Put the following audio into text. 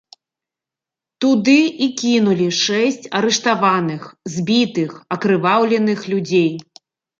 Туды і кінулі шэсць арыштаваных, збітых, акрываўленых людзей.